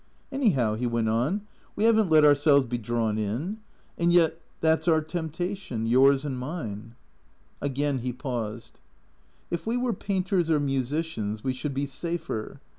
" Anyhow," he went on, " we have n't let ourselves be drawn in. And yet that 's our temptation, yours and mine." Again he paused. " If we were painters or musicians we should be safer.